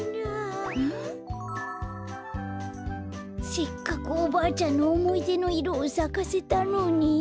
せっかくおばあちゃんのおもいでのいろをさかせたのに。